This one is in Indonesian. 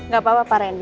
gak apa apa pak randy